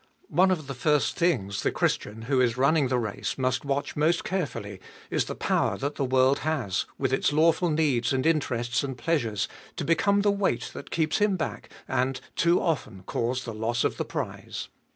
One of the first things the Christian, who is running the race, must watch most carefully, is the power that the world has, with its lawful needs and interests and pleasures, to become the weight that keeps him back, and too often cause the loss of the prize.